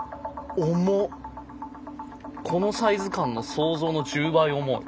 このサイズ感の想像の１０倍重い。